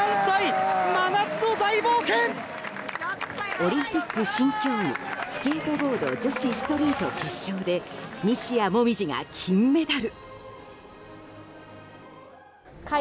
オリンピック新競技スケートボード女子ストリート決勝で西矢椛が金メダル。